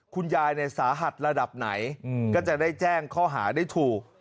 คุณยายสาหัสระดับไหนก็จะได้แจ้งข้อหาได้ถูก